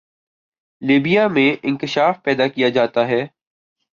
Libya میں انتشار پیدا کیا جاتا ہے۔